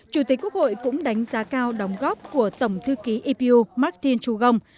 chủ tịch quốc hội cũng đánh giá cao đóng góp của tổng thư ký ipu martin trugon